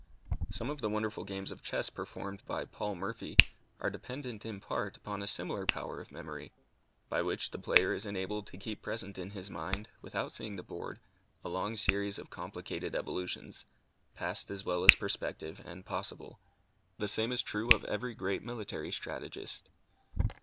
Some of the wonderful games of chess performed by Paul Morphy are dependent in part upon a similar power of memory, by which the player is enabled to keep present in his mind, without seeing the board, a long series of complicated evolutions, past as well as prospective and possible. The same is true of every great military strategist.